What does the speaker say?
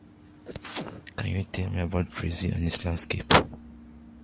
He is currently serving three concurrent life sentences in Saskatchewan Penitentiary.